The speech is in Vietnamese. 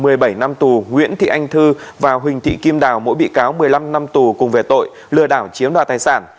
tòa nhân dân tỉnh hậu giang đã tuyên phạt nguyễn thị anh thư và huỳnh thị kim đào mỗi bị cáo một mươi năm năm tù cùng về tội lừa đảo chiếm đoạt tài sản